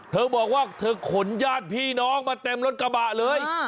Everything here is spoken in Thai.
เธอบอกว่าเธอขนญาติพี่น้องมาเต็มรถกระบะเลย